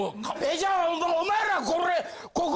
じゃあお前らこれここ。